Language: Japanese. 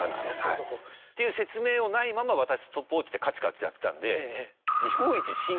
なるほど。っていう説明をないまま私ストップウォッチでカチカチやってたんで。